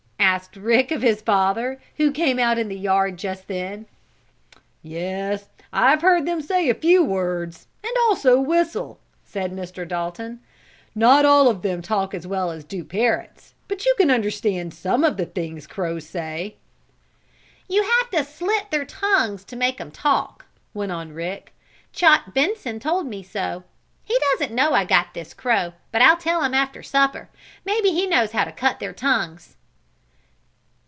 asked Rick of his father, who came out in the yard just then. "Yes, I have heard them say a few words, and also whistle," said Mr. Dalton. "Not all of them talk as well as do parrots, but you can understand some of the things crows say." "You have to slit their tongues to make 'em talk," went on Rick. "Chot Benson told me so. He doesn't know I got this crow, but I'll tell him after supper. Maybe he knows how to cut their tongues."